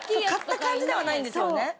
買った感じではないんですよね。